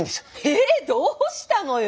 ええ⁉どうしたのよ